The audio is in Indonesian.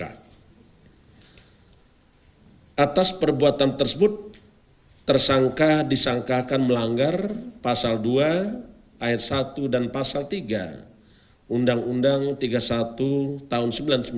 atas perbuatan tersebut tersangka disangkakan melanggar pasal dua ayat satu dan pasal tiga undang undang tiga puluh satu tahun seribu sembilan ratus sembilan puluh sembilan